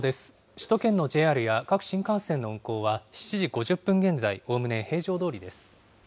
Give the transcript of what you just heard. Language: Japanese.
首都圏のＪＲや各新幹線の運行は７時５０分現在、おおむね平常どおりです。